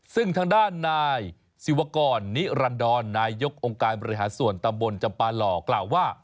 ซึ่งทางด้านนายศิวกรนิรันดรนายยกองค์การบริหารส่วนตำบลจำปาหล่อกล่าวว่า